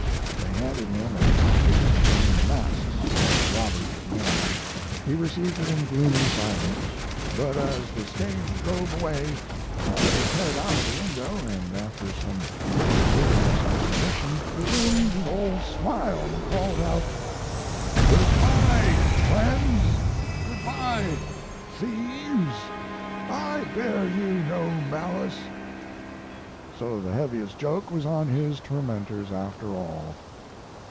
They handed him a package containing the masks which the robbers had worn. He received it in gloomy silence; but as the stage drove away he put his head out of the window, and after some pretty vigorous admonition resumed his old smile, and called out: 'Good by, friends; good by, thieves; I bear you no malice.' So the heaviest joke was on his tormentors after all."